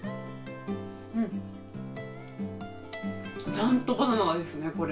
ちゃんとバナナですね、これ。